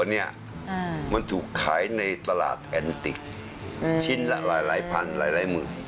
เนี้ยอืมมันถูกขายในตลาดแอนติกอืมชิ้นละหลายหลายพันหลายหลายหมื่น